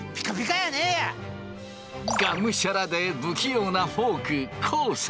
がむしゃらで不器用なフォーク昴生。